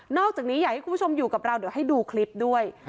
อกจากนี้อยากให้คุณผู้ชมอยู่กับเราเดี๋ยวให้ดูคลิปด้วย